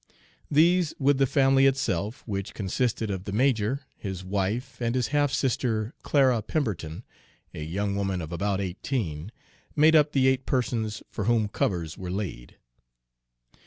These, with the family itself, which consisted of the major, his wife, and his half sister, Clara Pemberton, a young woman of about eighteen, made up the eight persons for whom covers were laid.